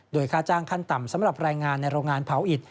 โดยค่าจ้างขั้นต่ำสำหรับแรงงานในโรงงานเผาอิต